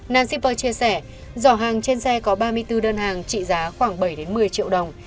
nan shipper chia sẻ giỏ hàng trên xe có ba mươi bốn đơn hàng trị giá khoảng bảy một mươi triệu đồng